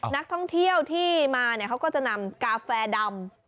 นักท่องเที่ยวที่มาเขาก็จะนำกาแฟดำ